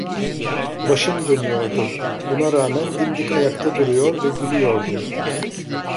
Başım dönüyordu, buna rağmen dimdik ayakta duruyor ve gülüyordum.